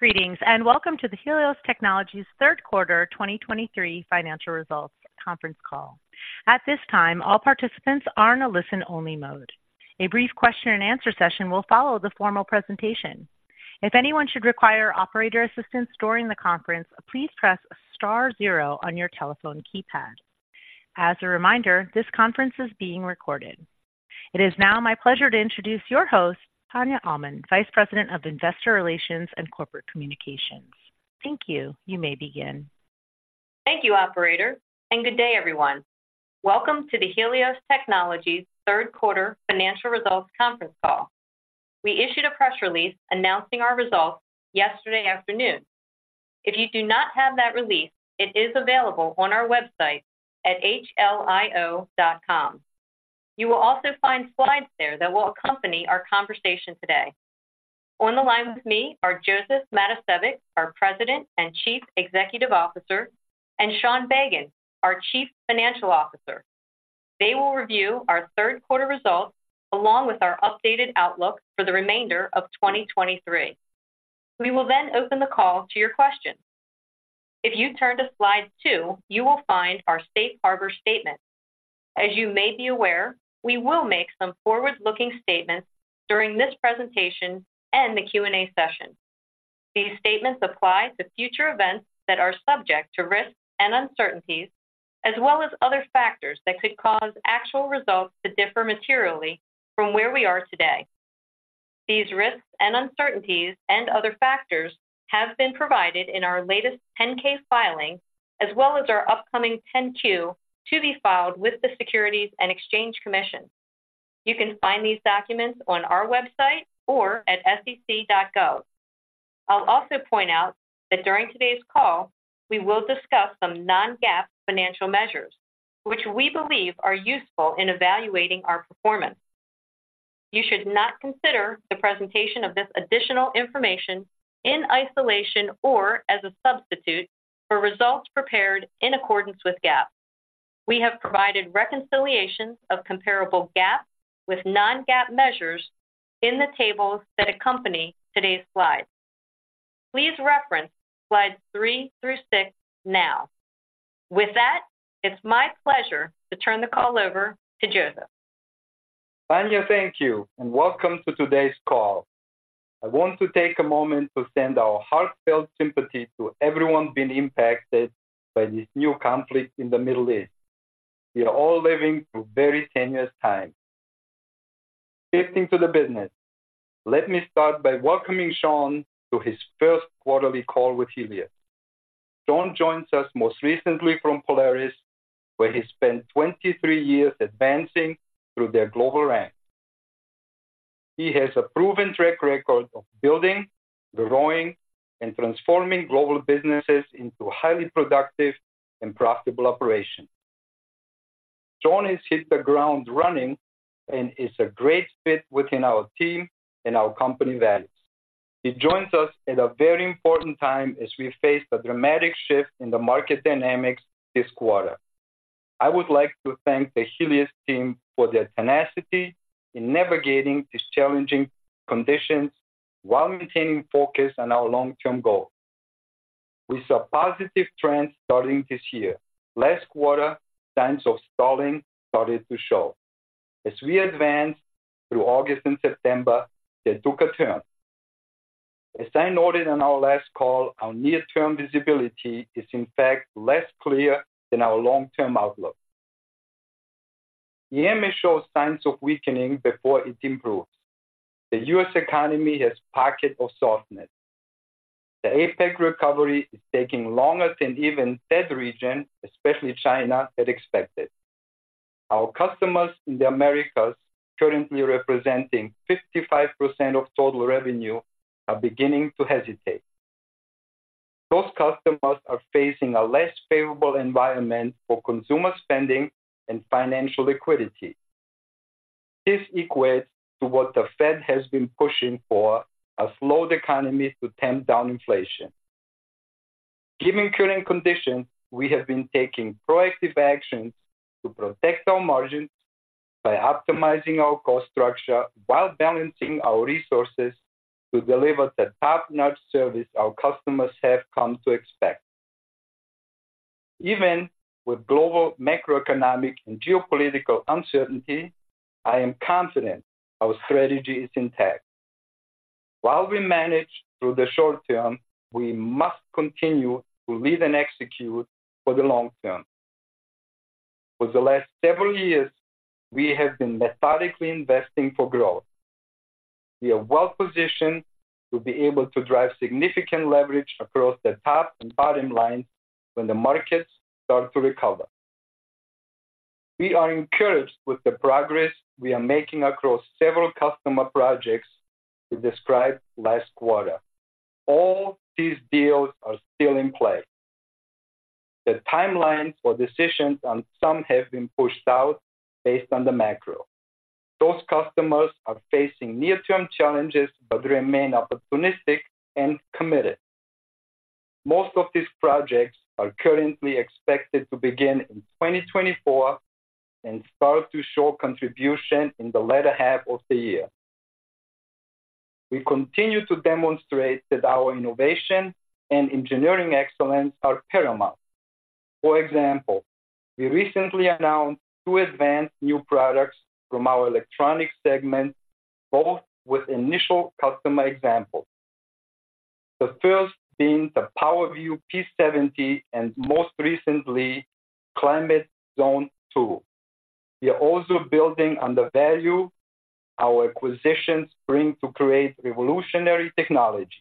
Greetings, and welcome to the Helios Technologies Q3 2023 Financial Results Conference Call. At this time, all participants are in a listen-only mode. A brief question-and-answer session will follow the formal presentation. If anyone should require operator assistance during the conference, please press star zero on your telephone keypad. As a reminder, this conference is being recorded. It is now my pleasure to introduce your host, Tania Almond, Vice President of Investor Relations and Corporate Communications. Thank you. You may begin. Thank you, operator, and good day, everyone. Welcome to the Helios Technologies third quarter financial results conference call. We issued a press release announcing our results yesterday afternoon. If you do not have that release, it is available on our website at hlio.com. You will also find slides there that will accompany our conversation today. On the line with me are Josef Matosevic, our President and Chief Executive Officer, and Sean Bagan, our Chief Financial Officer. They will review our Q3 results, along with our updated outlook for the remainder of 2023. We will then open the call to your questions. If you turn to slide two, you will find our safe harbor statement. As you may be aware, we will make some forward-looking statements during this presentation and the Q&A session. These statements apply to future events that are subject to risks and uncertainties, as well as other factors that could cause actual results to differ materially from where we are today. These risks and uncertainties and other factors have been provided in our latest 10-K filing, as well as our upcoming 10-Q, to be filed with the Securities and Exchange Commission. You can find these documents on our website or at sec.gov. I'll also point out that during today's call, we will discuss some non-GAAP financial measures, which we believe are useful in evaluating our performance. You should not consider the presentation of this additional information in isolation or as a substitute for results prepared in accordance with GAAP. We have provided reconciliations of comparable GAAP with non-GAAP measures in the tables that accompany today's slides. Please reference slides three through six now. With that, it's my pleasure to turn the call over to Josef. Tania, thank you, and welcome to today's call. I want to take a moment to send our heartfelt sympathy to everyone being impacted by this new conflict in the Middle East. We are all living through very tenuous times. Shifting to the business, let me start by welcoming Sean to his first quarterly call with Helios. Sean joins us most recently from Polaris, where he spent 23 years advancing through their global ranks. He has a proven track record of building, growing, and transforming global businesses into highly productive and profitable operations. Sean has hit the ground running and is a great fit within our team and our company values. He joins us at a very important time as we face a dramatic shift in the market dynamics this quarter. I would like to thank the Helios team for their tenacity in navigating these challenging conditions while maintaining focus on our long-term goals. We saw positive trends starting this year. Last quarter, signs of stalling started to show. As we advanced through August and September, they took a turn. As I noted on our last call, our near-term visibility is, in fact, less clear than our long-term outlook. EMEA shows signs of weakening before it improves. The U.S. economy has pockets of softness. The APAC recovery is taking longer than even that region, especially China, had expected. Our customers in the Americas, currently representing 55% of total revenue, are beginning to hesitate. Those customers are facing a less favorable environment for consumer spending and financial liquidity. This equates to what the Fed has been pushing for, a slowed economy to tamp down inflation. Given current conditions, we have been taking proactive actions to protect our margins by optimizing our cost structure while balancing our resources to deliver the top-notch service our customers have come to expect. Even with global macroeconomic and geopolitical uncertainty, I am confident our strategy is intact. While we manage through the short term, we must continue to lead and execute for the long term. For the last several years, we have been methodically investing for growth. We are well positioned to be able to drive significant leverage across the top and bottom line when the markets start to recover. We are encouraged with the progress we are making across several customer projects we described last quarter. All these deals are still in play. The timelines for decisions on some have been pushed out based on the macro. Those customers are facing near-term challenges, but remain opportunistic and committed. Most of these projects are currently expected to begin in 2024 and start to show contribution in the latter half of the year. We continue to demonstrate that our innovation and engineering excellence are paramount. For example, we recently announced two advanced new products from our Electronics segment, both with initial customer examples. The first being the PowerView P70, and most recently, Climate Zone II. We are also building on the value our acquisitions bring to create revolutionary technology.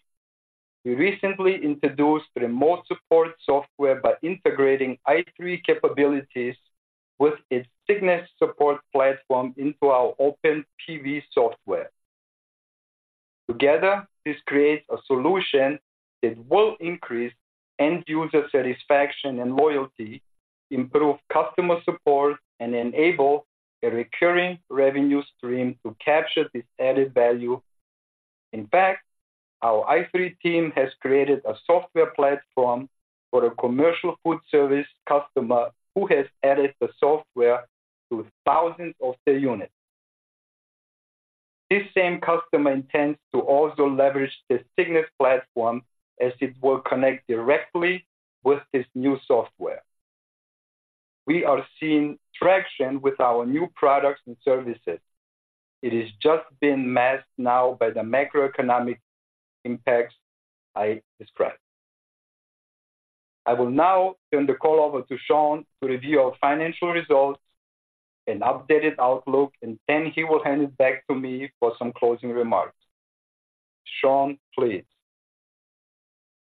We recently introduced remote support software by integrating i3 capabilities with its Cygnus support platform into our OpenPV software. Together, this creates a solution that will increase end user satisfaction and loyalty, improve customer support, and enable a recurring revenue stream to capture this added value. In fact, our i3 team has created a software platform for a commercial food service customer who has added the software to thousands of their units. This same customer intends to also leverage the Cygnus platform as it will connect directly with this new software. We are seeing traction with our new products and services. It is just being masked now by the macroeconomic impacts I described. I will now turn the call over to Sean to review our financial results and updated outlook, and then he will hand it back to me for some closing remarks. Sean, please.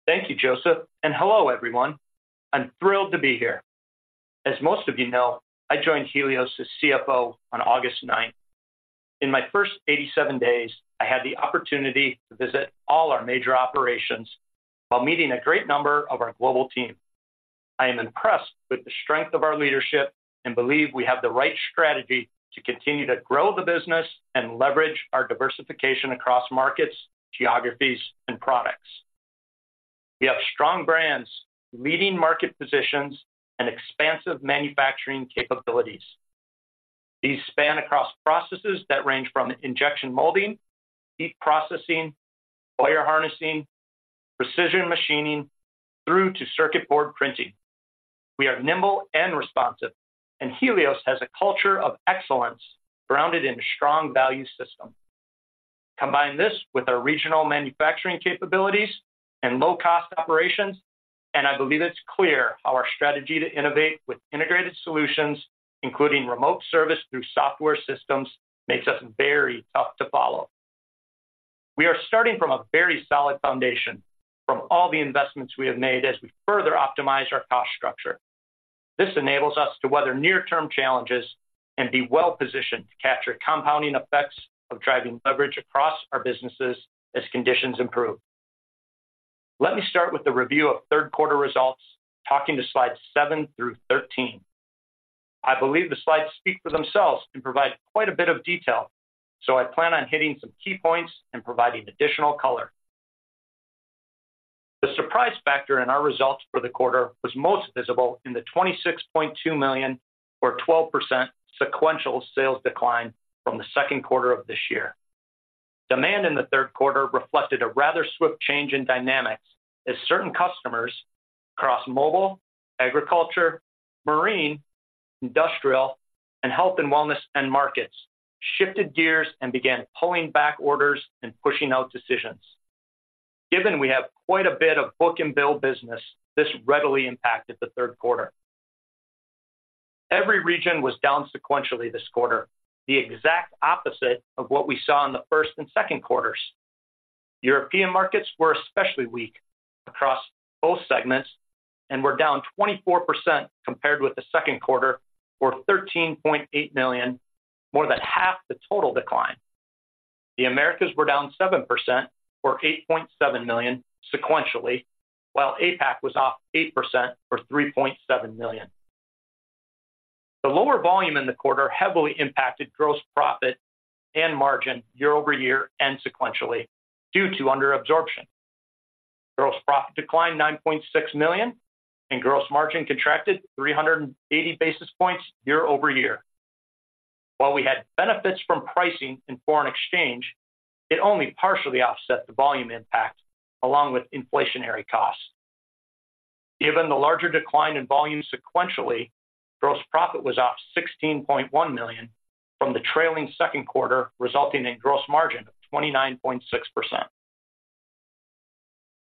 Thank you, Josef, and hello, everyone. I'm thrilled to be here. As most of you know, I joined Helios as CFO on August ninth. In my first 87 days, I had the opportunity to visit all our major operations while meeting a great number of our global team. I am impressed with the strength of our leadership and believe we have the right strategy to continue to grow the business and leverage our diversification across markets, geographies, and products. We have strong brands, leading market positions, and expansive manufacturing capabilities. These span across processes that range from injection molding, heat processing, wire harnessing, precision machining, through to circuit board printing. We are nimble and responsive, and Helios has a culture of excellence grounded in a strong value system. Combine this with our regional manufacturing capabilities and low-cost operations, and I believe it's clear how our strategy to innovate with integrated solutions, including remote service through software systems, makes us very tough to follow. We are starting from a very solid foundation from all the investments we have made as we further optimize our cost structure. This enables us to weather near-term challenges and be well-positioned to capture compounding effects of driving leverage across our businesses as conditions improve. Let me start with the review of Q3 results, talking to slides seven through 13. I believe the slides speak for themselves and provide quite a bit of detail, so I plan on hitting some key points and providing additional color. The surprise factor in our results for the quarter was most visible in the $26.2 million, or 12%, sequential sales decline from the Q2 of this year. Demand in the Q3 reflected a rather swift change in dynamics as certain customers across mobile, agriculture, marine, industrial, and health and wellness end markets shifted gears and began pulling back orders and pushing out decisions. Given we have quite a bit of book-and-bill business, this readily impacted the Q3. Every region was down sequentially this quarter, the exact opposite of what we saw in the first and second quarters. European markets were especially weak across both segments and were down 24% compared with the Q2, or $13.8 million, more than half the total decline. The Americas were down 7%, or $8.7 million sequentially, while APAC was off 8%, or $3.7 million. The lower volume in the quarter heavily impacted gross profit and margin year-over-year and sequentially, due to under absorption. Gross profit declined $9.6 million, and gross margin contracted 380 basis points year-over-year. While we had benefits from pricing and foreign exchange, it only partially offset the volume impact, along with inflationary costs. Given the larger decline in volume sequentially, gross profit was up $16.1 million from the trailing Q2, resulting in gross margin of 29.6%.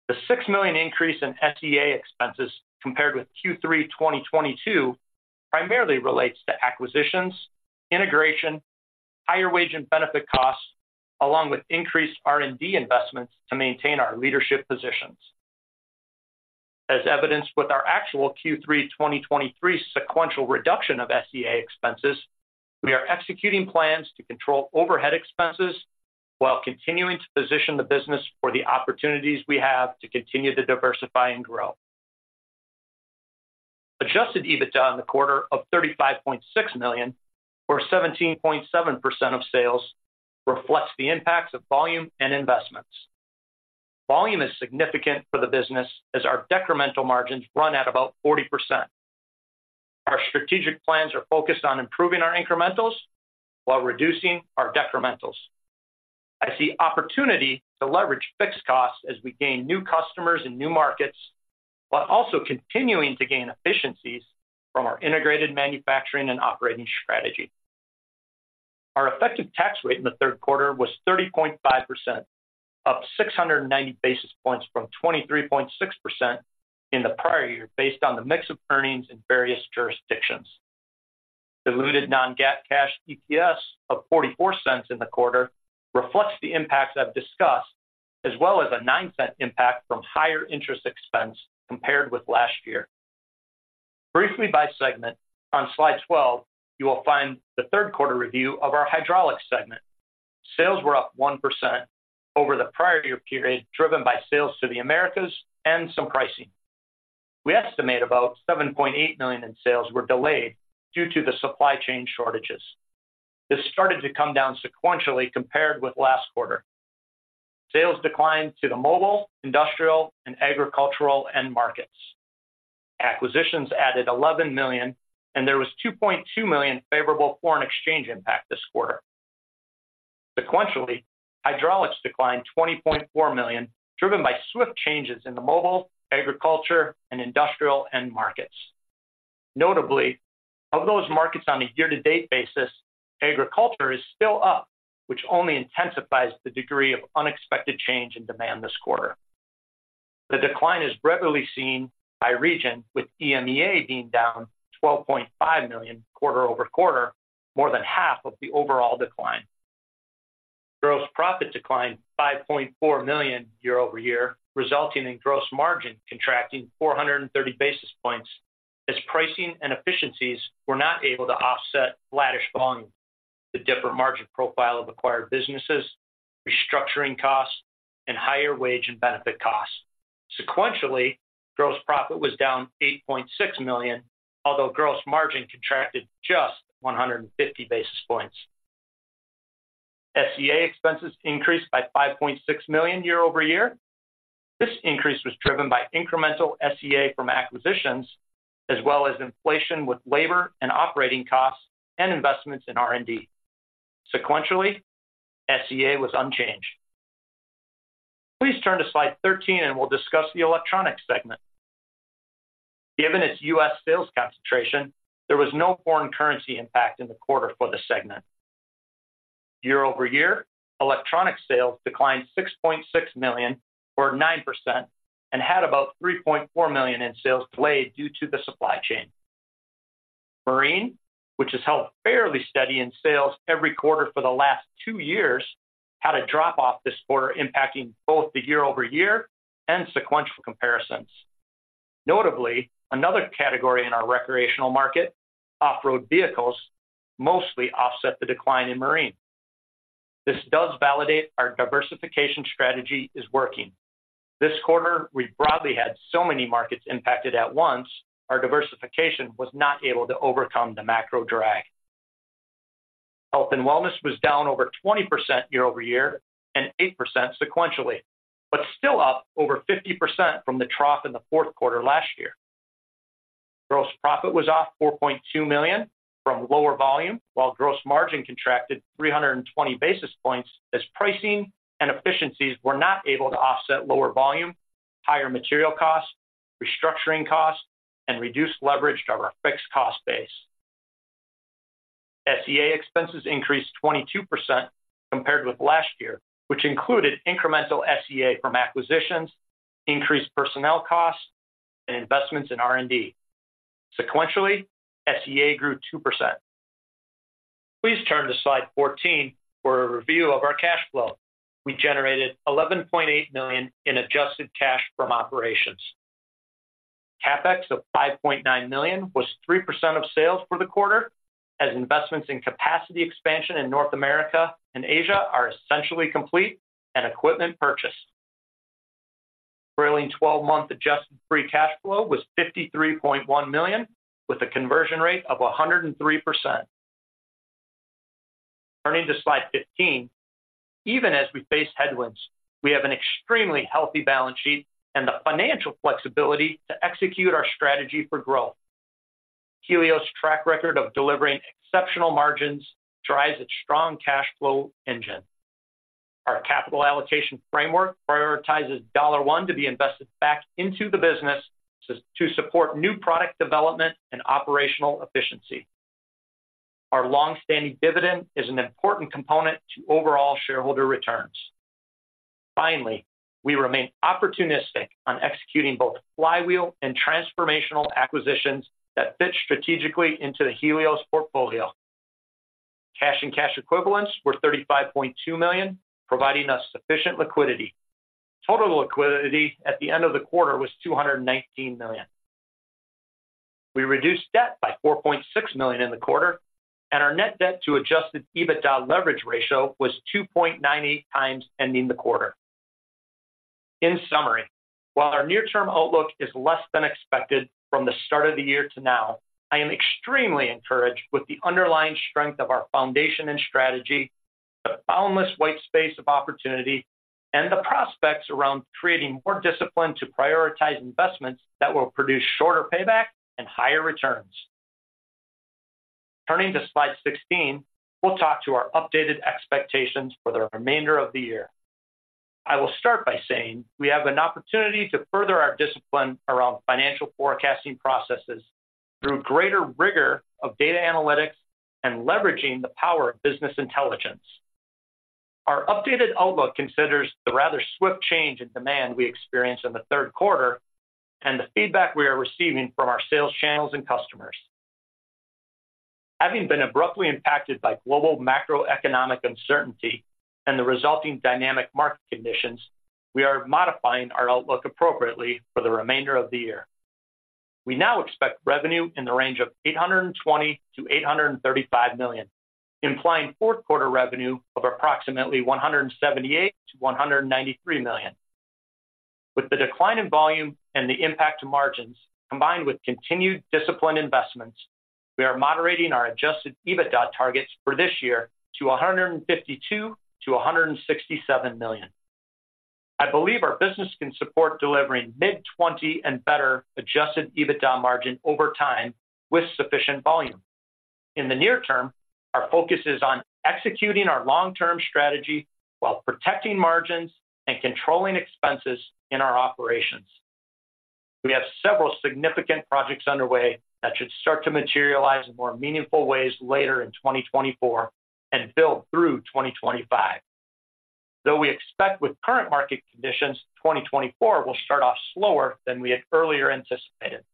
The $6 million increase in SG&A expenses compared with Q3 2022 primarily relates to acquisitions, integration, higher wage and benefit costs, along with increased R&D investments to maintain our leadership positions. As evidenced with our actual Q3 2023 sequential reduction of SG&A expenses, we are executing plans to control overhead expenses while continuing to position the business for the opportunities we have to continue to diversify and grow. Adjusted EBITDA in the quarter of $35.6 million, or 17.7% of sales, reflects the impacts of volume and investments. Volume is significant for the business as our decremental margins run at about 40%. Our strategic plans are focused on improving our incrementals while reducing our decrementals. I see opportunity to leverage fixed costs as we gain new customers in new markets, while also continuing to gain efficiencies from our integrated manufacturing and operating strategy. Our effective tax rate in the Q3 was 30.5%, up 690 basis points from 23.6% in the prior year, based on the mix of earnings in various jurisdictions. Diluted non-GAAP cash EPS of $0.44 in the quarter reflects the impacts I've discussed, as well as a $0.09 impact from higher interest expense compared with last year. Briefly, by segment, on slide 12, you will find the third quarter review of our Hydraulics segment. Sales were up 1% over the prior year period, driven by sales to the Americas and some pricing. We estimate about $7.8 million in sales were delayed due to the supply chain shortages. This started to come down sequentially compared with last quarter. Sales declined to the mobile, industrial, and agricultural end markets. Acquisitions added $11 million, and there was $2.2 million favorable foreign exchange impact this quarter. Sequentially, Hydraulics declined $20.4 million, driven by swift changes in the mobile, agriculture, and industrial end markets. Notably, of those markets on a year-to-date basis, agriculture is still up, which only intensifies the degree of unexpected change in demand this quarter. The decline is readily seen by region, with EMEA being down $12.5 million quarter-over-quarter, more than half of the overall decline. Gross profit declined $5.4 million year-over-year, resulting in gross margin contracting 430 basis points, as pricing and efficiencies were not able to offset flattish volume. The different margin profile of acquired businesses, restructuring costs, and higher wage and benefit costs. Sequentially, gross profit was down $8.6 million, although gross margin contracted just 150 basis points. SG&A expenses increased by $5.6 million year-over-year. This increase was driven by incremental SG&A from acquisitions, as well as inflation with labor and operating costs and investments in R&D. Sequentially, SG&A was unchanged. Please turn to slide 13 and we'll discuss the Electronics segment. Given its U.S. sales concentration, there was no foreign currency impact in the quarter for the segment. Year-over-year, Electronics sales declined $6.6 million, or 9%, and had about $3.4 million in sales delayed due to the supply chain. Marine, which has held fairly steady in sales every quarter for the last two years, had a drop-off this quarter, impacting both the year-over-year and sequential comparisons. Notably, another category in our recreational market, off-road vehicles, mostly offset the decline in marine. This does validate our diversification strategy is working. This quarter, we broadly had so many markets impacted at once, our diversification was not able to overcome the macro drag. Health and wellness was down over 20% year-over-year and 8% sequentially, but still up over 50% from the trough in the Q4 last year. Gross profit was off $4.2 million from lower volume, while gross margin contracted 320 basis points as pricing and efficiencies were not able to offset lower volume, higher material costs, restructuring costs, and reduced leverage to our fixed cost base. SG&A expenses increased 22% compared with last year, which included incremental SG&A from acquisitions, increased personnel costs, and investments in R&D. Sequentially, SG&A grew 2%. Please turn to slide 14 for a review of our cash flow. We generated $11.8 million in adjusted cash from operations. CapEx of $5.9 million was 3% of sales for the quarter, as investments in capacity expansion in North America and Asia are essentially complete and equipment purchased. Trailing 12-month adjusted free cash flow was $53.1 million, with a conversion rate of 103%. Turning to slide 15. Even as we face headwinds, we have an extremely healthy balance sheet and the financial flexibility to execute our strategy for growth. Helios' track record of delivering exceptional margins drives its strong cash flow engine. Our capital allocation framework prioritizes dollar one to be invested back into the business to support new product development and operational efficiency. Our long-standing dividend is an important component to overall shareholder returns. Finally, we remain opportunistic on executing both flywheel and transformational acquisitions that fit strategically into the Helios portfolio. Cash and cash equivalents were $35.2 million, providing us sufficient liquidity. Total liquidity at the end of the quarter was $219 million. We reduced debt by $4.6 million in the quarter, and our net debt to Adjusted EBITDA leverage ratio was 2.98x ending the quarter. In summary, while our near-term outlook is less than expected from the start of the year to now, I am extremely encouraged with the underlying strength of our foundation and strategy, the boundless white space of opportunity, and the prospects around creating more discipline to prioritize investments that will produce shorter payback and higher returns. Turning to slide 16, we'll talk to our updated expectations for the remainder of the year. I will start by saying we have an opportunity to further our discipline around financial forecasting processes through greater rigor of data analytics and leveraging the power of business intelligence. Our updated outlook considers the rather swift change in demand we experienced in the Q3, and the feedback we are receiving from our sales channels and customers. Having been abruptly impacted by global macroeconomic uncertainty and the resulting dynamic market conditions, we are modifying our outlook appropriately for the remainder of the year. We now expect revenue in the range of $820 million-$835 million, implying fourth quarter revenue of approximately $178 million-$193 million. With the decline in volume and the impact to margins, combined with continued disciplined investments, we are moderating our Adjusted EBITDA targets for this year to $152 million-$167 million. I believe our business can support delivering mid-20% and better Adjusted EBITDA margin over time with sufficient volume. In the near term, our focus is on executing our long-term strategy while protecting margins and controlling expenses in our operations. We have several significant projects underway that should start to materialize in more meaningful ways later in 2024 and build through 2025. Though we expect with current market conditions, 2024 will start off slower than we had earlier anticipated.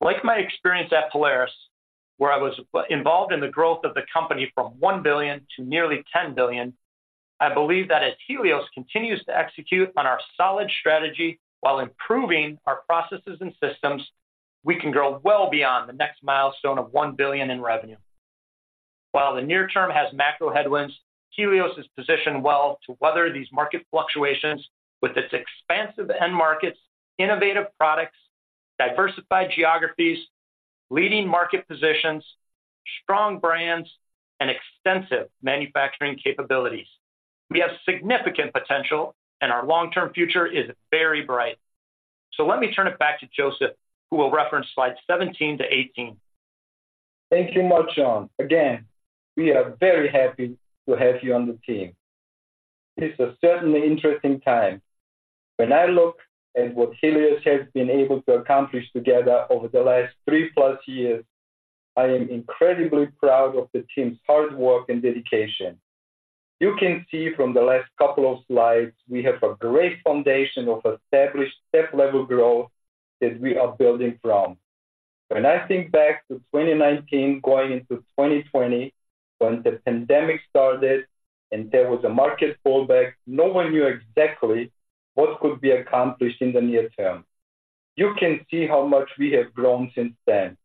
Like my experience at Polaris, where I was involved in the growth of the company from $1 billion to nearly $10 billion, I believe that as Helios continues to execute on our solid strategy while improving our processes and systems, we can grow well beyond the next milestone of $1 billion in revenue. While the near term has macro headwinds, Helios is positioned well to weather these market fluctuations with its expansive end markets, innovative products, diversified geographies, leading market positions, strong brands, and extensive manufacturing capabilities. We have significant potential, and our long-term future is very bright. So let me turn it back to Josef, who will reference slides 17-18. Thank you much, Sean. Again, we are very happy to have you on the team. This is a certainly interesting time. When I look at what Helios has been able to accomplish together over the last 3+ years, I am incredibly proud of the team's hard work and dedication. You can see from the last couple of slides, we have a great foundation of established step-level growth that we are building from. When I think back to 2019 going into 2020, when the pandemic started and there was a market pullback, no one knew exactly what could be accomplished in the near term. You can see how much we have grown since then.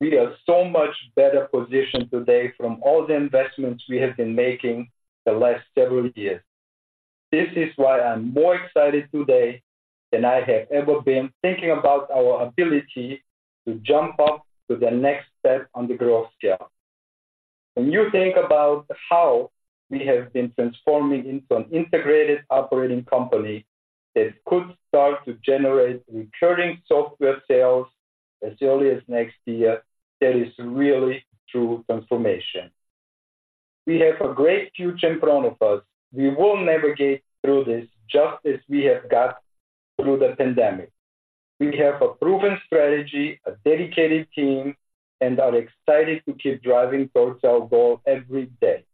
We are so much better positioned today from all the investments we have been making the last several years. This is why I'm more excited today than I have ever been, thinking about our ability to jump up to the next step on the growth SG&Ale. When you think about how we have been transforming into an integrated operating company that could start to generate recurring software sales as early as next year, that is really true transformation. We have a great future in front of us. We will navigate through this, just as we have got through the pandemic. We have a proven strategy, a dedicated team, and are excited to keep driving towards our goal every day.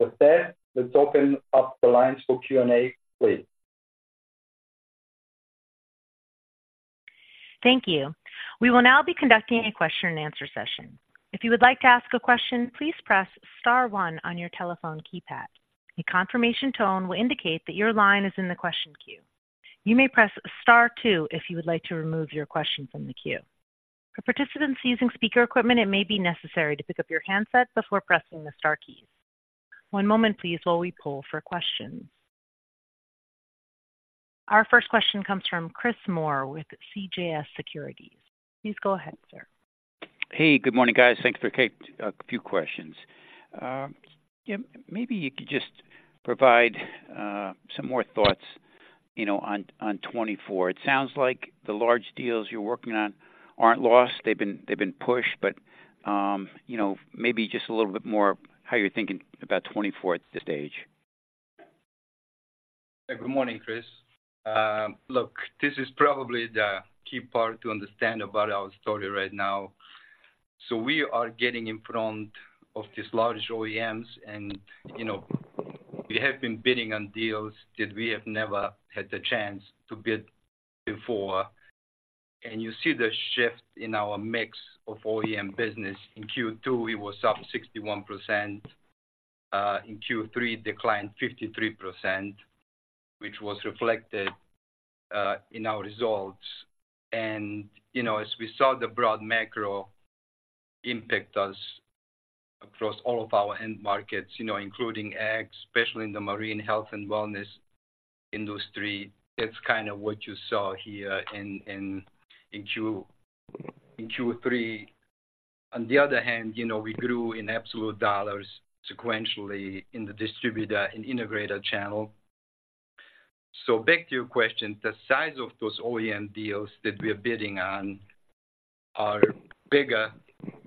With that, let's open up the lines for Q&A, please. Thank you. We will now be conducting a question and answer session. If you would like to ask a question, please press star one on your telephone keypad. A confirmation tone will indicate that your line is in the question queue. You may press star two if you would like to remove your question from the queue. For participants using speaker equipment, it may be necessary to pick up your handset before pressing the star keys. One moment, please, while we pull for questions. Our first question comes from Chris Moore with CJS Securities. Please go ahead, sir. Hey, good morning, guys. Thanks for taking a few questions. Yeah, maybe you could just provide some more thoughts, you know, on 2024. It sounds like the large deals you're working on aren't lost. They've been pushed, but you know, maybe just a little bit more how you're thinking about 2024 at this stage. Good morning, Chris. Look, this is probably the key part to understand about our story right now. So we are getting in front of these large OEMs, and, you know, we have been bidding on deals that we have never had the chance to bid before. And you see the shift in our mix of OEM business. In Q2, it was up 61%. In Q3, declined 53%, which was reflected in our results. And, you know, as we saw, the broad macro impact us-... across all of our end markets, you know, including ag, especially in the marine health and wellness industry. That's kind of what you saw here in Q3. On the other hand, you know, we grew in absolute dollars sequentially in the distributor and integrator channel. So back to your question, the size of those OEM deals that we are bidding on are bigger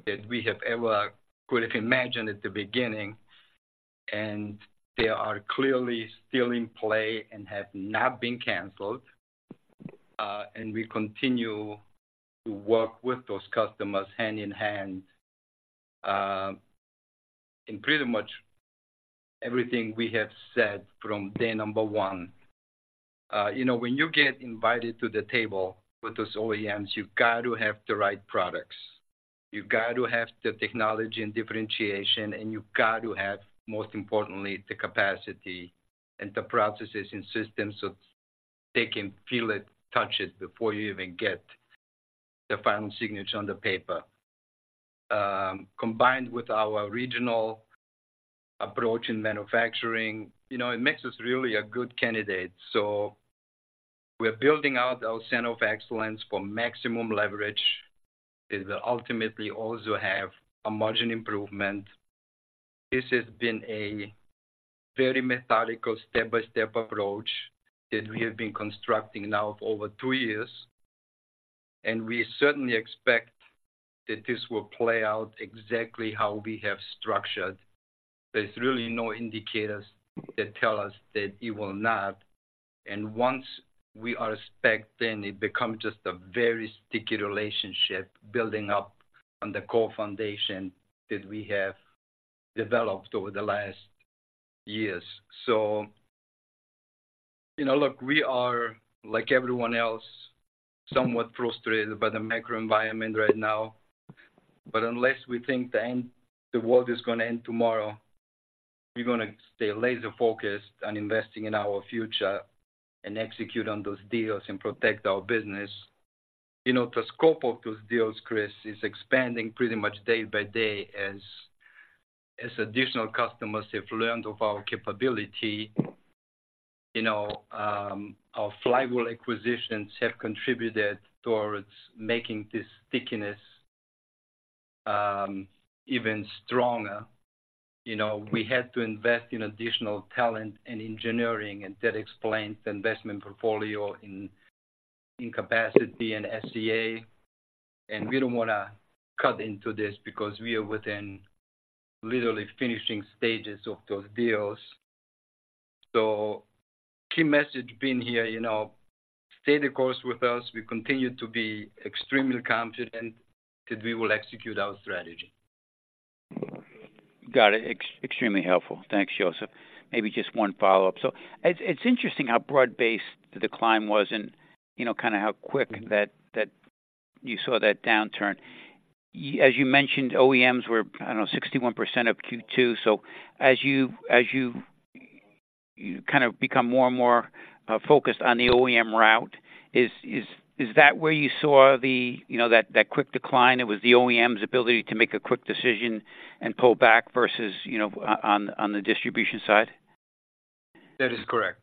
than we have ever could have imagined at the beginning, and they are clearly still in play and have not been canceled. And we continue to work with those customers hand in hand, in pretty much everything we have said from day number one. You know, when you get invited to the table with those OEMs, you've got to have the right products. You've got to have the technology and differentiation, and you've got to have, most importantly, the capacity and the processes and systems, so they can feel it, touch it, before you even get the final signature on the paper. Combined with our regional approach in manufacturing, you know, it makes us really a good candidate. So we're building out our center of excellence for maximum leverage, and ultimately also have a margin improvement. This has been a very methodical, step-by-step approach that we have been constructing now for over two years, and we certainly expect that this will play out exactly how we have structured. There's really no indicators that tell us that it will not, and once we are spec'd in, it becomes just a very sticky relationship, building up on the core foundation that we have developed over the last years. So, you know, look, we are, like everyone else, somewhat frustrated by the macro environment right now, but unless we think the end of the world is gonna end tomorrow, we're gonna stay laser focused on investing in our future and execute on those deals and protect our business. You know, the scope of those deals, Chris, is expanding pretty much day by day as additional customers have learned of our capability. You know, our flywheel acquisitions have contributed towards making this stickiness even stronger. You know, we had to invest in additional talent and engineering, and that explains the investment portfolio in capacity and SG&A. And we don't wanna cut into this because we are within literally finishing stages of those deals. So key message being here, you know, stay the course with us. We continue to be extremely confident that we will execute our strategy. Got it. Extremely helpful. Thanks, Josef. Maybe just one follow-up. So it's interesting how broad-based the decline was and, you know, kind of how quick that you saw that downturn. As you mentioned, OEMs were, I don't know, 61% of Q2. So as you, as you kind of become more and more focused on the OEM route, is that where you saw the, you know, that quick decline? It was the OEM's ability to make a quick decision and pull back versus, you know, on the distribution side? That is correct.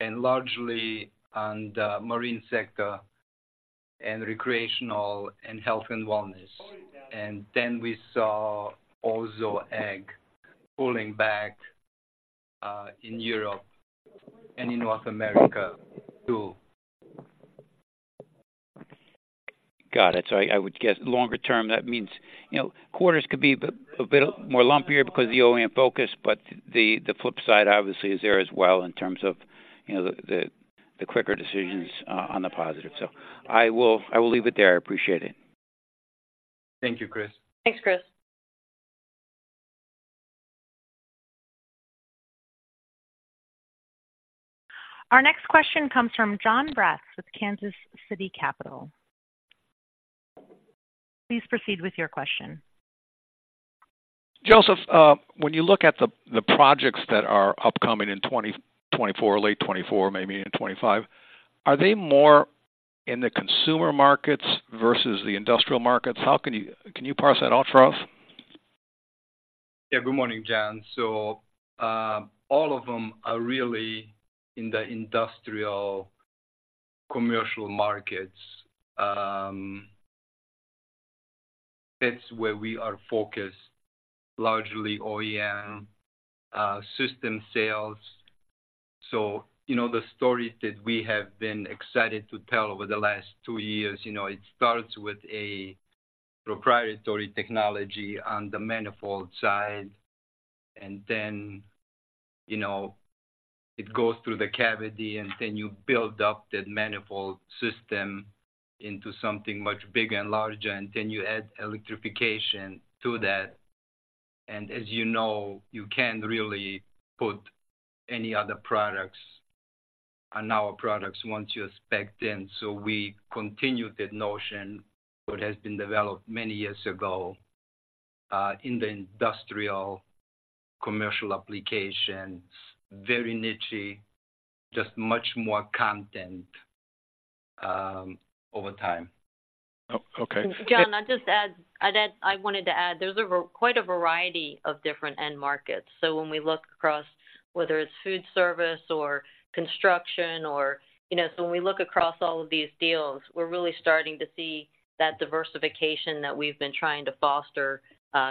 And largely on the marine sector and recreational and health and wellness. And then we saw also ag pulling back, in Europe and in North America, too. Got it. So I would guess longer term, that means, you know, quarters could be a bit more lumpier because the OEM focus, but the flip side obviously is there as well in terms of, you know, the quicker decisions on the positive. So I will leave it there. I appreciate it. Thank you, Chris. Thanks, Chris. Our next question comes from Jon Braatz with Kansas City Capital Associates. Please proceed with your question. Josef, when you look at the projects that are upcoming in 2024 or late 2024, maybe in 2025, are they more in the consumer markets versus the industrial markets? How can you... Can you parse that out for us? Yeah. Good morning, Jon. So, all of them are really in the industrial commercial markets. That's where we are focused, largely OEM, system sales. So you know, the story that we have been excited to tell over the last two years, you know, it starts with a proprietary technology on the manifold side, and then, you know, it goes through the cavity, and then you build up that manifold system into something much bigger and larger, and then you add electrification to that. And as you know, you can't really put any other products on our products once you spec them. So we continue that notion, what has been developed many years ago, in the industrial commercial applications. Very niche, just much more content.... over time. Oh, okay. Jon, I'll just add, I'd add—I wanted to add, there's quite a variety of different end markets. So when we look across, whether it's food service or construction or, you know, so when we look across all of these deals, we're really starting to see that diversification that we've been trying to foster,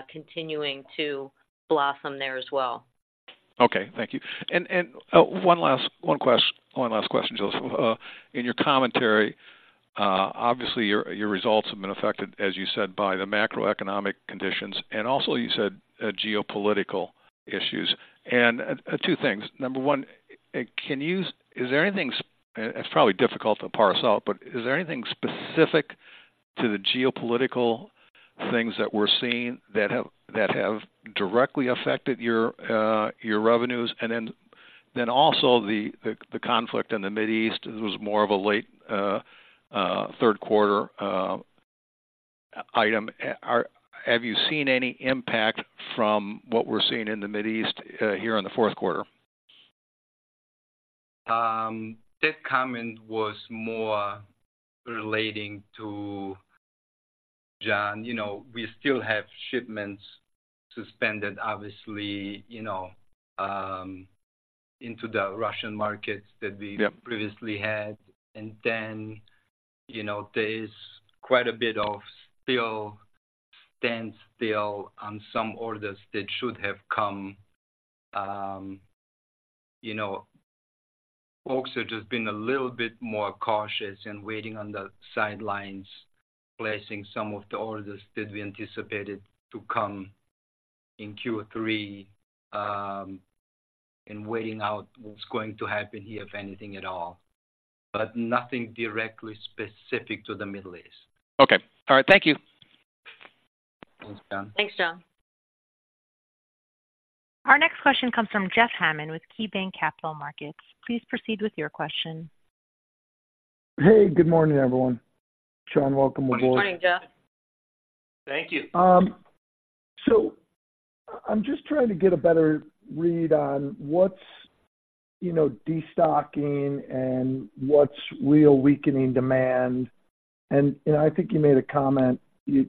continuing to blossom there as well. Okay, thank you. And one last question, Josef. In your commentary, obviously, your results have been affected, as you said, by the macroeconomic conditions, and also, you said, geopolitical issues. And two things: number one, Is there anything, it's probably difficult to parse out, but is there anything specific to the geopolitical things that we're seeing that have directly affected your revenues? And then also the conflict in the Middle East, it was more of a late third quarter item. Have you seen any impact from what we're seeing in the Middle East here in the Q4? That comment was more relating to Jon. You know, we still have shipments suspended, obviously, you know, into the Russian markets that we- Yep Previously had. And then, you know, there is quite a bit of still standstill on some orders that should have come. You know, folks are just being a little bit more cautious and waiting on the sidelines, placing some of the orders that we anticipated to come in Q3, and waiting out what's going to happen here, if anything at all, but nothing directly specific to the Middle East. Okay. All right. Thank you. Thanks, Jon. Thanks, Jon. Our next question comes from Jeff Hammond with KeyBanc Capital Markets. Please proceed with your question. Hey, good morning, everyone. Sean, welcome aboard. Good morning, Jeff. Thank you. So I'm just trying to get a better read on what's, you know, destocking and what's real weakening demand. And, you know, I think you made a comment, you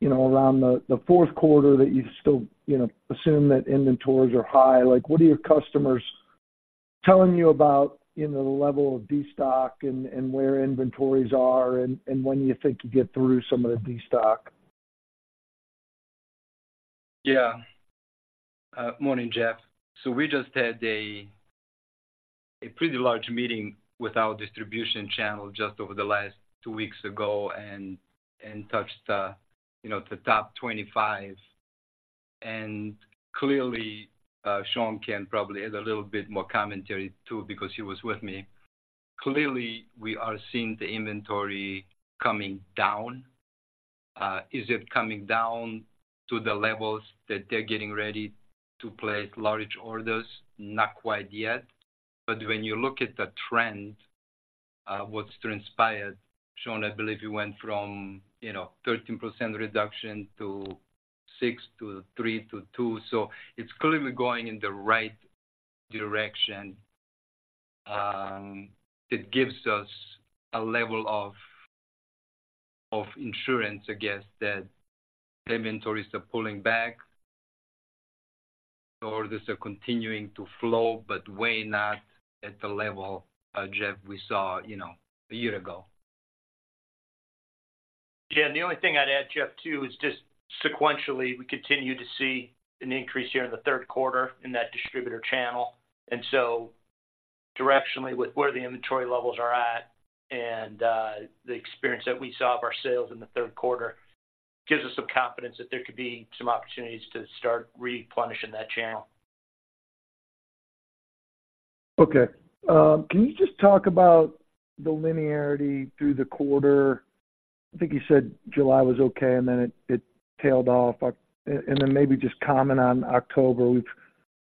know, around the Q4 that you still, you know, assume that inventories are high. Like, what are your customers telling you about, you know, the level of destock and where inventories are, and when you think you get through some of the destock? Yeah. Morning, Jeff. So we just had a pretty large meeting with our distribution channel just over the last two weeks ago and touched the, you know, the top 25. And clearly, Sean can probably add a little bit more commentary, too, because he was with me. Clearly, we are seeing the inventory coming down. Is it coming down to the levels that they're getting ready to place large orders? Not quite yet, but when you look at the trend, what's transpired, Sean, I believe you went from, you know, 13% reduction to 6% to 3% to 2%, so it's clearly going in the right direction. It gives us a level of insurance, I guess, that inventories are pulling back. Orders are continuing to flow, but way not at the level, Jeff, we saw, you know, a year ago. Yeah, the only thing I'd add, Jeff, too, is just sequentially, we continue to see an increase here in the third quarter in that distributor channel. And so directionally, with where the inventory levels are at and the experience that we saw of our sales in the third quarter, gives us some confidence that there could be some opportunities to start replenishing that channel. Okay. Can you just talk about the linearity through the quarter? I think you said July was okay, and then it tailed off. And then maybe just comment on October. We've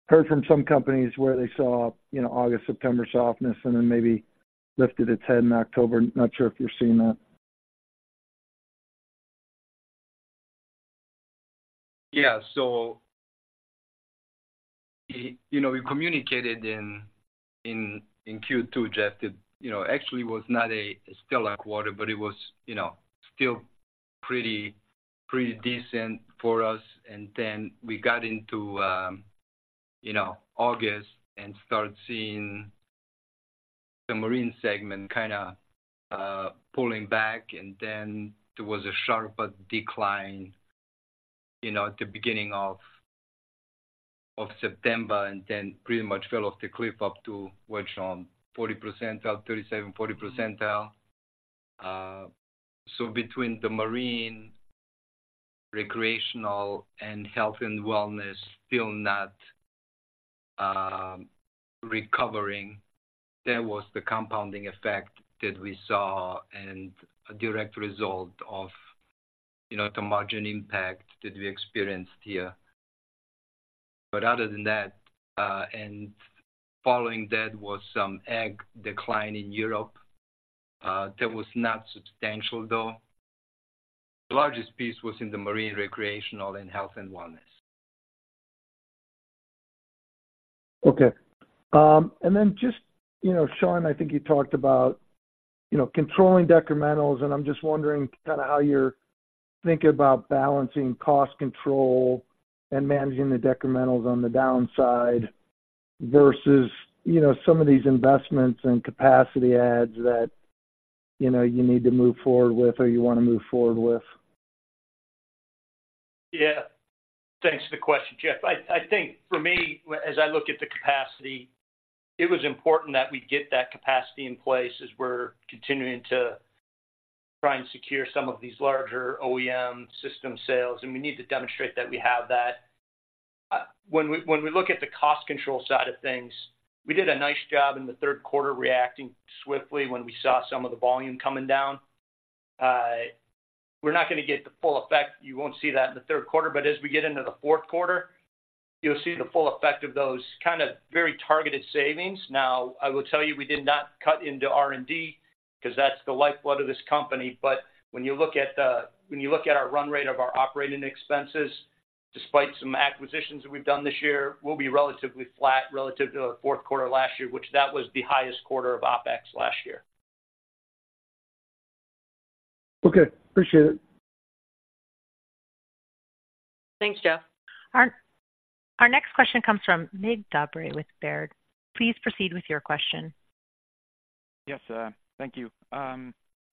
heard from some companies where they saw, you know, August, September softness and then maybe lifted its head in October. Not sure if you're seeing that. Yeah. So, you know, we communicated in Q2, Jeff, that, you know, actually was not a stellar quarter, but it was, you know, still pretty, pretty decent for us. And then we got into, you know, August and started seeing the marine segment kind of pulling back. And then there was a sharper decline, you know, at the beginning of September, and then pretty much fell off the cliff up to, what, Sean? 40 percentile, 37, 40 percentile. So between the marine, recreational, and health and wellness still not recovering, there was the compounding effect that we saw and a direct result of, you know, the margin impact that we experienced here. But other than that, and following that was some ag decline in Europe. That was not substantial, though. The largest piece was in the marine, recreational, and health and wellness.... Okay. And then just, you know, Sean, I think you talked about, you know, controlling decrementals, and I'm just wondering kind of how you're thinking about balancing cost control and managing the decrementals on the downside versus, you know, some of these investments and capacity adds that, you know, you need to move forward with or you want to move forward with. Yeah. Thanks for the question, Jeff. I think for me, as I look at the capacity, it was important that we get that capacity in place as we're continuing to try and secure some of these larger OEM system sales, and we need to demonstrate that we have that. When we look at the cost control side of things, we did a nice job in the Q3, reacting swiftly when we saw some of the volume coming down. We're not going to get the full effect. You won't see that in the third quarter, but as we get into the Q4, you'll see the full effect of those kind of very targeted savings. Now, I will tell you, we did not cut into R&D because that's the lifeblood of this company. But when you look at our run rate of our operating expenses, despite some acquisitions that we've done this year, we'll be relatively flat relative to the fourth quarter last year, which was the highest quarter of OpEx last year. Okay, appreciate it. Thanks, Jeff. Our next question comes from Mig Dobre with Baird. Please proceed with your question. Yes, thank you. I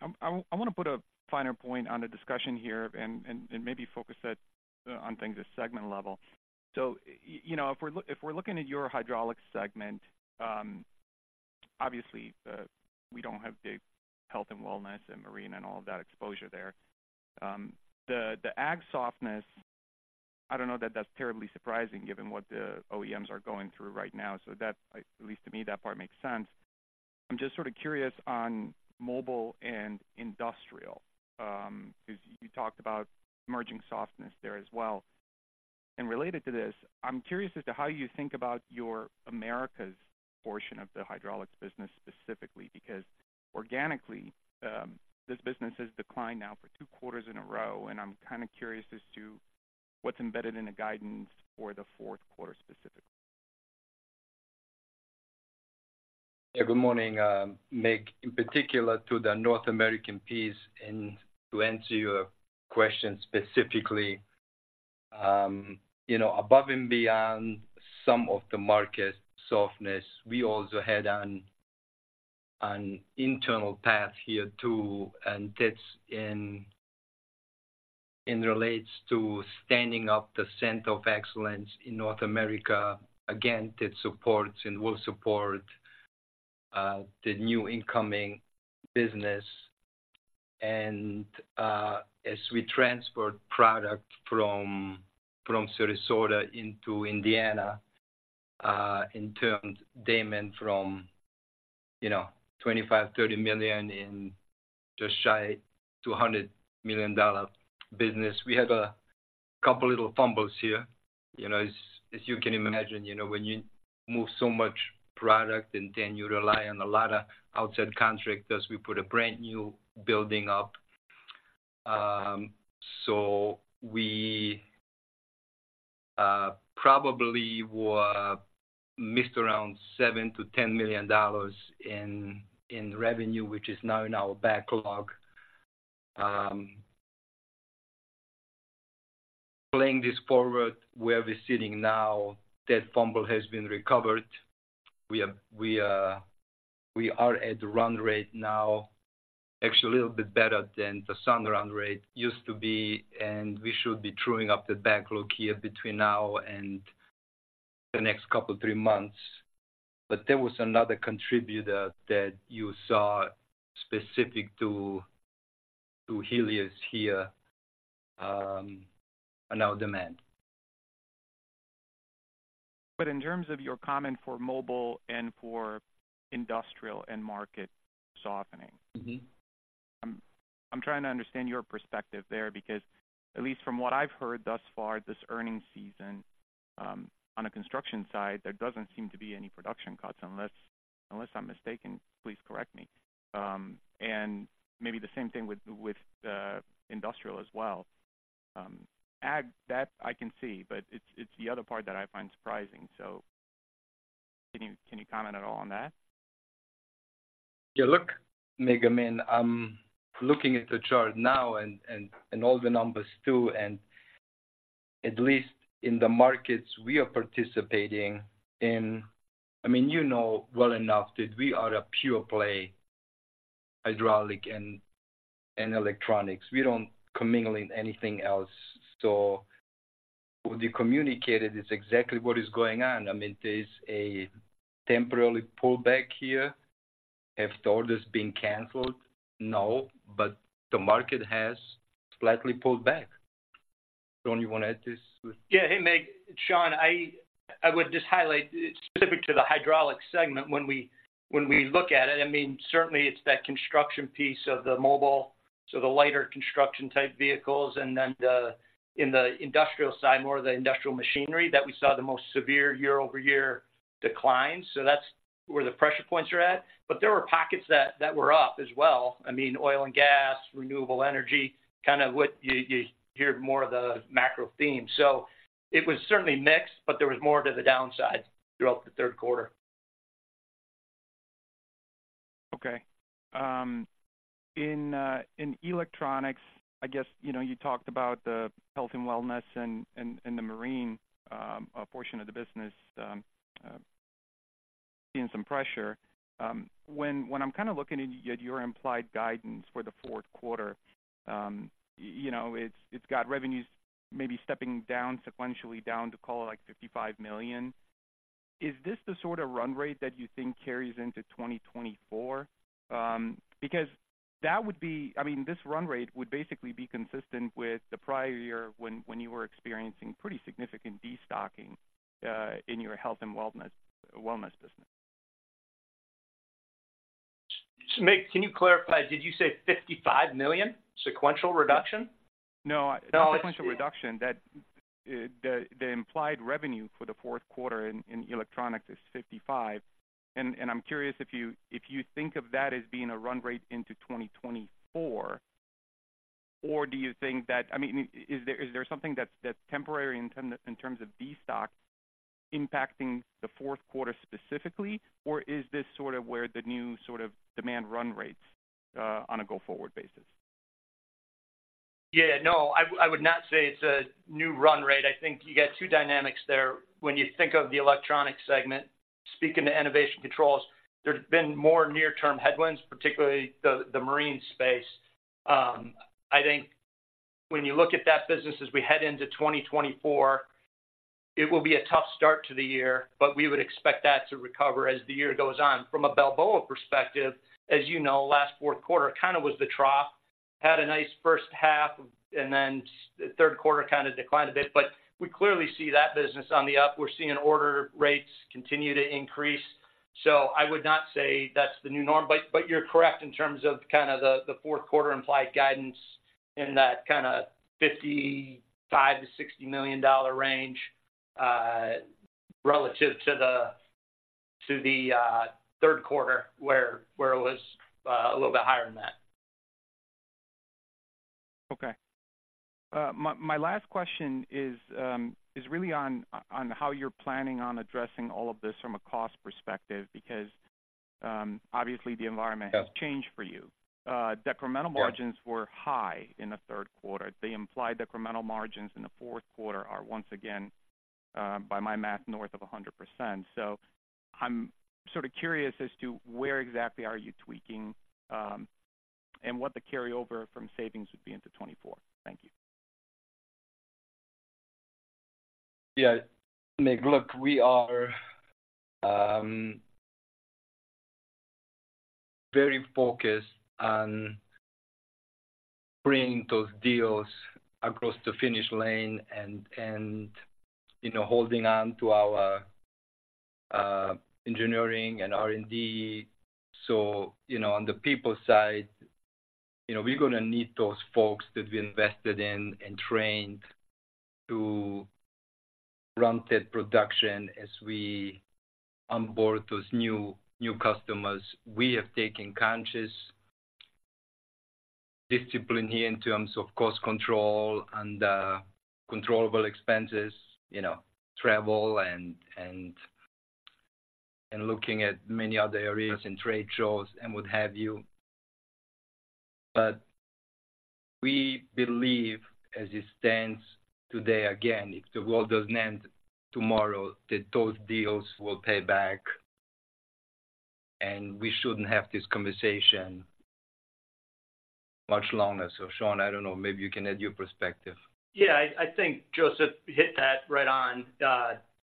want to put a finer point on the discussion here and maybe focus it on things at segment level. So you know, if we're looking at your Hydraulics segment, obviously, we don't have the health and wellness and marine and all of that exposure there. The ag softness, I don't know that that's terribly surprising given what the OEMs are going through right now. So that, at least to me, that part makes sense. I'm just sort of curious on mobile and industrial, because you talked about emerging softness there as well. Related to this, I'm curious as to how you think about your Americas portion of the hydraulics business specifically, because organically, this business has declined now for two quarters in a row, and I'm kind of curious as to what's embedded in the guidance for the Q4 specifically. Yeah, good morning, Mig, in particular to the North American piece, and to answer your question specifically, you know, above and beyond some of the market softness, we also had an internal path here, too, and it relates to standing up the center of excellence in North America. Again, it supports and will support the new incoming business. And, as we transferred product from Sarasota into Indiana, in terms of demand from $25 million-$30 million to just shy of a $100 million business. We had a couple little fumbles here. You know, as you can imagine, you know, when you move so much product and then you rely on a lot of outside contractors, we put a brand new building up. So we probably were missed around $7 million-$10 million in revenue, which is now in our backlog. Playing this forward, where we're sitting now, that fumble has been recovered. We are at run rate now, actually a little bit better than the Sun run rate used to be, and we should be truing up the backlog here between now and the next couple, three months. But there was another contributor that you saw specific to Helios here on our demand. But in terms of your comment for mobile and for industrial and market softening- Mm-hmm. I'm trying to understand your perspective there, because at least from what I've heard thus far, this earnings season, on a construction side, there doesn't seem to be any production cuts, unless I'm mistaken, please correct me. And maybe the same thing with industrial as well. Ag, that I can see, but it's the other part that I find surprising. So can you comment at all on that? Yeah, look, Mig, I mean, I'm looking at the chart now and all the numbers, too, and at least in the markets we are participating in... I mean, you know well enough that we are a pure play, hydraulic and electronics. We don't commingle in anything else. So what you communicated is exactly what is going on. I mean, there's a temporary pullback here. Have the orders been canceled? No, but the market has slightly pulled back. Sean, you want to add this with- Yeah. Hey, Mig. Sean, I would just highlight specific to the hydraulic segment when we look at it. I mean, certainly it's that construction piece of the mobile, so the lighter construction-type vehicles, and then the, in the industrial side, more of the industrial machinery that we saw the most severe year-over-year declines. So that's where the pressure points are at. But there were pockets that were up as well. I mean, oil and gas, renewable energy, kind of what you hear more of the macro theme. So it was certainly mixed, but there was more to the downside throughout the third quarter.... Okay. In electronics, I guess, you know, you talked about the health and wellness and the marine portion of the business seeing some pressure. When I'm kind of looking at your implied guidance for the fourth quarter, you know, it's got revenues maybe stepping down sequentially down to call it, like, $55 million. Is this the sort of run rate that you think carries into 2024? Because that would be—I mean, this run rate would basically be consistent with the prior year when you were experiencing pretty significant destocking in your health and wellness business. Mig, can you clarify, did you say $55 million sequential reduction? No, not sequential reduction. That, the implied revenue for the Q4 in electronics is $55. And, I'm curious if you think of that as being a run rate into 2024, or do you think that... I mean, is there something that's temporary in terms of destock impacting the Q4 specifically? Or is this sort of where the new sort of demand run rates on a go-forward basis? Yeah, no, I would not say it's a new run rate. I think you got two dynamics there. When you think of the Electronics segment, speaking to Enovation Controls, there's been more near-term headwinds, particularly the marine space. I think when you look at that business as we head into 2024, it will be a tough start to the year, but we would expect that to recover as the year goes on. From a Balboa perspective, as you know, last fourth quarter kind of was the trough, had a nice H1, and then the third quarter kind of declined a bit, but we clearly see that business on the up. We're seeing order rates continue to increase. I would not say that's the new norm, but you're correct in terms of kind of the Q4 implied guidance in that kind of $55 million-$60 million range, relative to the Q3, where it was a little bit higher than that. Okay. My last question is really on how you're planning on addressing all of this from a cost perspective, because obviously the environment- Yeah - has changed for you. Incremental margins- Yeah - were high in the Q3. The implied incremental margins in the Q4 are once again, by my math, north of 100%. So I'm sort of curious as to where exactly are you tweaking, and what the carryover from savings would be into 2024. Thank you. Yeah, Mig, look, we are very focused on bringing those deals across the finish line and, you know, holding on to our engineering and R&D. So, you know, on the people side, you know, we're going to need those folks that we invested in and trained to ramp that production as we onboard those new customers. We have taken conscious discipline here in terms of cost control and controllable expenses, you know, travel and looking at many other areas and trade shows and what have you. But we believe, as it stands today, again, if the world doesn't end tomorrow, that those deals will pay back, and we shouldn't have this conversation much longer. So, Sean, I don't know, maybe you can add your perspective. Yeah, I, I think Josef hit that right on.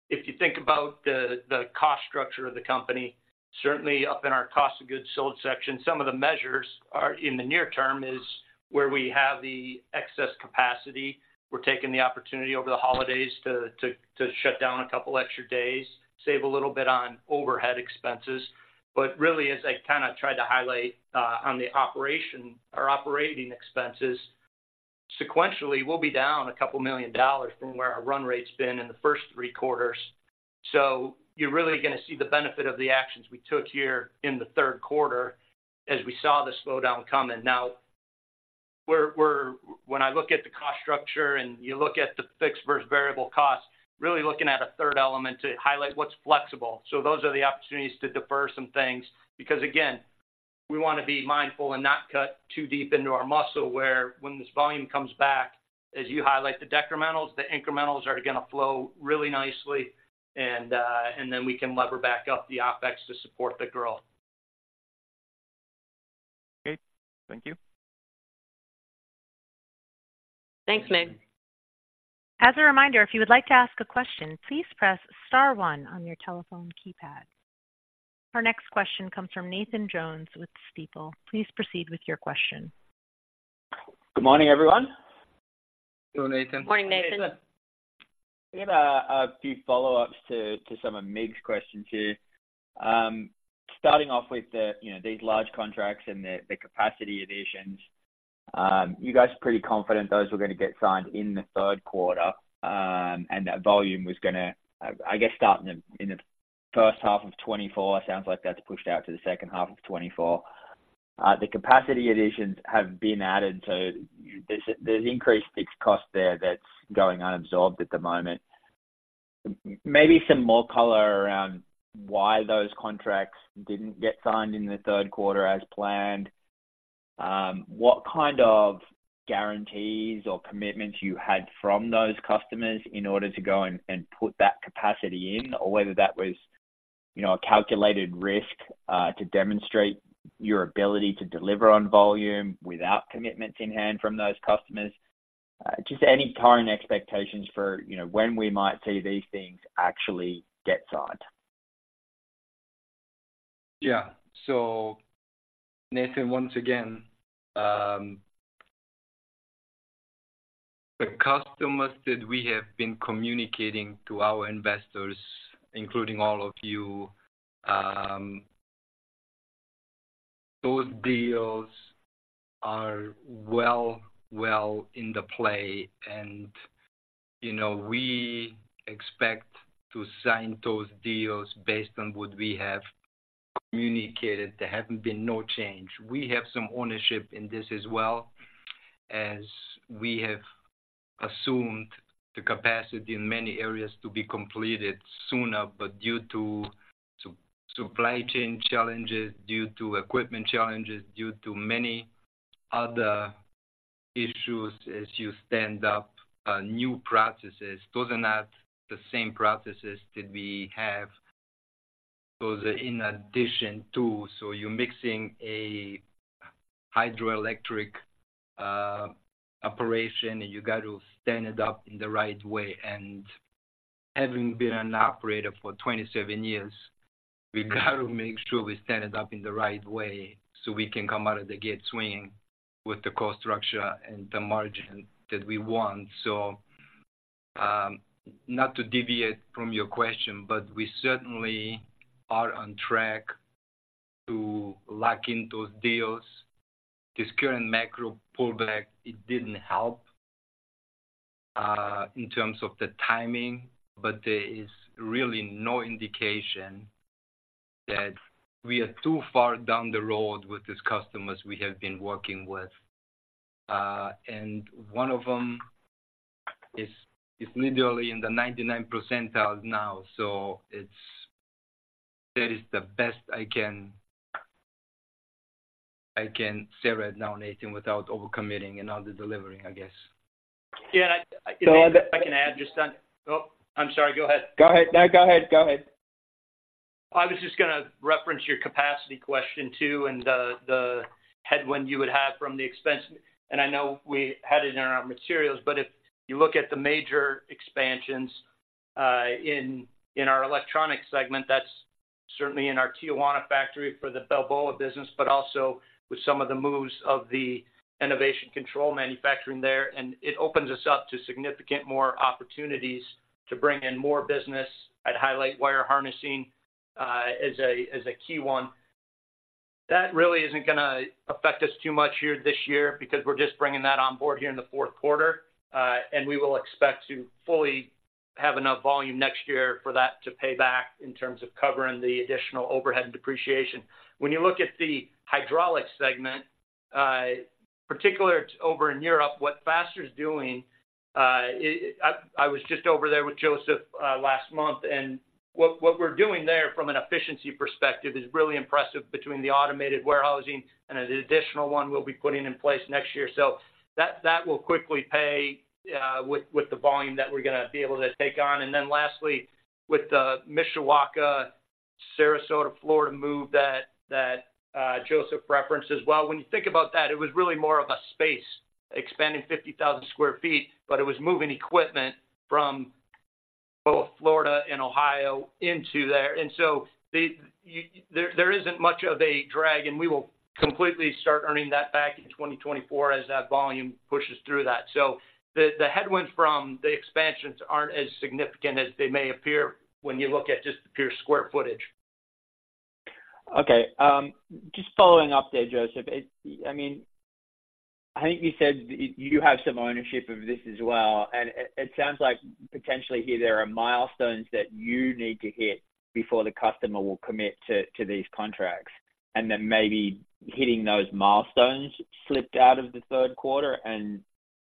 If you think about the cost structure of the company, certainly up in our cost of goods sold section, some of the measures are, in the near term, is where we have the excess capacity. We're taking the opportunity over the holidays to shut down a couple extra days, save a little bit on overhead expenses. But really, as I kind of tried to highlight, on the operation or operating expenses, sequentially, we'll be down $2 million from where our run rate's been in the first three quarters. So you're really going to see the benefit of the actions we took here in the Q3 as we saw the slowdown coming. Now, when I look at the cost structure and you look at the fixed versus variable costs, really looking at a third element to highlight what's flexible. So those are the opportunities to defer some things, because, again, we want to be mindful and not cut too deep into our muscle, where when this volume comes back, as you highlight the decrementals, the incrementals are going to flow really nicely, and then we can lever back up the OpEx to support the growth. Okay. Thank you. Thanks, Mig. As a reminder, if you would like to ask a question, please press star one on your telephone keypad. Our next question comes from Nathan Jones with Stifel. Please proceed with your question. Good morning, everyone. Good morning, Nathan. Morning, Nathan. I got a few follow-ups to some of Mig's questions here. Starting off with the, you know, these large contracts and the capacity additions. You guys are pretty confident those were going to get signed in the Q3, and that volume was gonna, I guess, start in the H1 of 2024. Sounds like that's pushed out to the H2 of 2024. The capacity additions have been added, so there's increased fixed cost there that's going unabsorbed at the moment. Maybe some more color around why those contracts didn't get signed in the third quarter as planned. What kind of guarantees or commitments you had from those customers in order to go and put that capacity in? Or whether that was, you know, a calculated risk, to demonstrate your ability to deliver on volume without commitments in hand from those customers. Just any timing expectations for, you know, when we might see these things actually get signed. Yeah. So Nathan, once again, the customers that we have been communicating to our investors, including all of you, those deals are well, well in the play, and, you know, we expect to sign those deals based on what we have communicated. There haven't been no change. We have some ownership in this as well as we have assumed the capacity in many areas to be completed sooner, but due to supply chain challenges, due to equipment challenges, due to many other issues as you stand up new processes, those are not the same processes that we have. Those are in addition to, so you're mixing a hydraulic operation, and you got to stand it up in the right way. Having been an operator for 27 years, we've got to make sure we stand it up in the right way so we can come out of the gate swinging with the cost structure and the margin that we want. So, not to deviate from your question, but we certainly are on track to lock in those deals. This current macro pullback, it didn't help, in terms of the timing, but there is really no indication that we are too far down the road with these customers we have been working with. And one of them is literally in the 99th percentile now, so it's that is the best I can say right now, Nathan, without overcommitting and under-delivering, I guess. Yeah, and I- Go ahead. If I can add just on... Oh, I'm sorry. Go ahead. Go ahead. No, go ahead. Go ahead. I was just going to reference your capacity question, too, and the headwind you would have from the expense. I know we had it in our materials, but if you look at the major expansions in our Electronics segment, that's certainly in our Tijuana factory for the Balboa business, but also with some of the moves of the Enovation Controls manufacturing there. It opens us up to significant more opportunities to bring in more business. I'd highlight wire harnessing as a key one. That really isn't gonna affect us too much here this year because we're just bringing that on board here in the Q4. And we will expect to fully have enough volume next year for that to pay back in terms of covering the additional overhead and depreciation. When you look at the Hydraulics segment, particularly over in Europe, what Faster's doing, it. I was just over there with Josef last month, and what we're doing there from an efficiency perspective is really impressive between the automated warehousing and an additional one we'll be putting in place next year. So that will quickly pay with the volume that we're going to be able to take on. And then lastly, with the Mishawaka, Sarasota, Florida, move that Josef referenced as well. When you think about that, it was really more of a space expanding 50,000 sq ft, but it was moving equipment from both Florida and Ohio into there. And so there isn't much of a drag, and we will completely start earning that back in 2024 as that volume pushes through that. So the headwinds from the expansions aren't as significant as they may appear when you look at just the pure square footage. Okay, just following up there, Josef, it, I mean, I think you said you have some ownership of this as well, and it, it sounds like potentially here there are milestones that you need to hit before the customer will commit to, to these contracts, and then maybe hitting those milestones slipped out of the Q3, and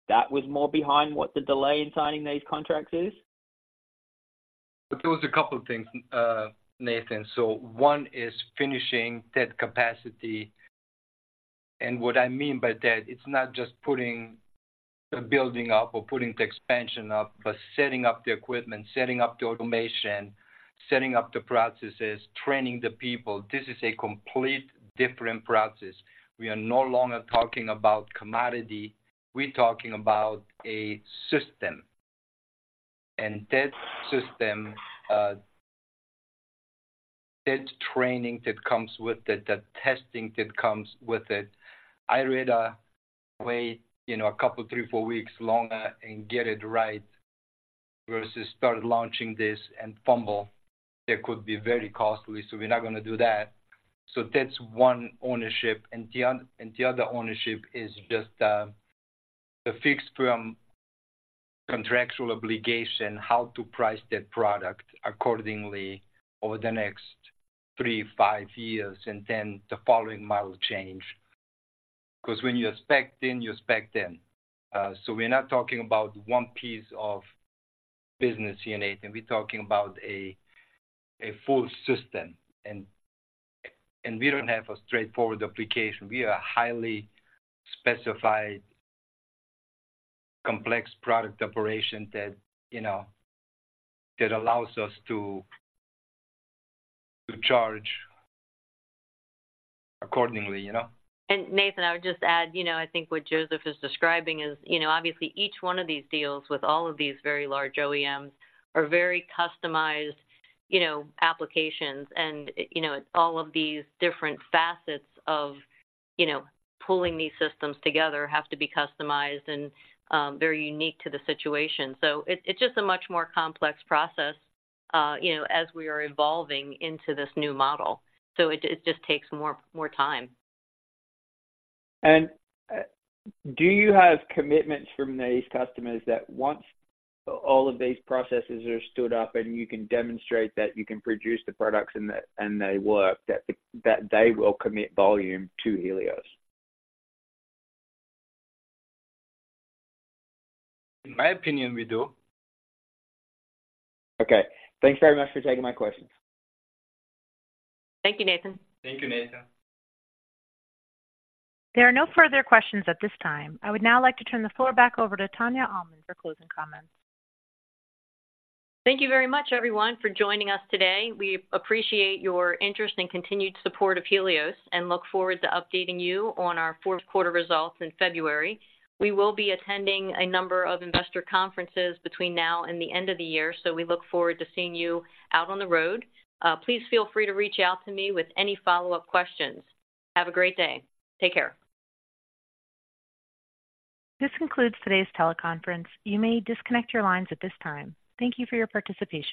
that was more behind what the delay in signing these contracts is? There was a couple of things, Nathan. So one is finishing that capacity. And what I mean by that, it's not just putting the building up or putting the expansion up, but setting up the equipment, setting up the automation, setting up the processes, training the people. This is a complete different process. We are no longer talking about commodity. We're talking about a system, and that system, that training that comes with it, the testing that comes with it, I'd rather wait, you know, a couple, three, four weeks longer and get it right versus start launching this and fumble. That could be very costly, so we're not going to do that. So that's one ownership. The other ownership is just the fixed firm contractual obligation, how to price that product accordingly over the next three-five years, and then the following model change, 'cause when you spec in, you spec in. So we're not talking about one piece of business unit, we're talking about a full system. We don't have a straightforward application. We are a highly specified, complex product operation that, you know, that allows us to, to charge accordingly, you know. And Nathan, I would just add, you know, I think what Josef is describing is, you know, obviously each one of these deals with all of these very large OEMs are very customized, you know, applications. And, you know, all of these different facets of, you know, pulling these systems together have to be customized and very unique to the situation. So it, it's just a much more complex process, you know, as we are evolving into this new model. So it, it just takes more, more time. Do you have commitments from these customers that once all of these processes are stood up and you can demonstrate that you can produce the products and they, and they work, that the- that they will commit volume to Helios? In my opinion, we do. Okay. Thanks very much for taking my questions. Thank you, Nathan. Thank you, Nathan. There are no further questions at this time. I would now like to turn the floor back over to Tania Almond for closing comments. Thank you very much, everyone, for joining us today. We appreciate your interest and continued support of Helios and look forward to updating you on our Q4 results in February. We will be attending a number of investor conferences between now and the end of the year, so we look forward to seeing you out on the road. Please feel free to reach out to me with any follow-up questions. Have a great day. Take care. This concludes today's teleconference. You may disconnect your lines at this time. Thank you for your participation.